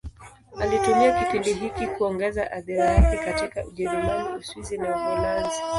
Alitumia kipindi hiki kuongeza athira yake katika Ujerumani, Uswisi na Uholanzi.